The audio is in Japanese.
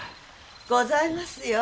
ございますよ。